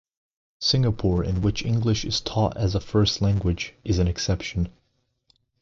Singapore, in which English is taught as a first language, is an exception.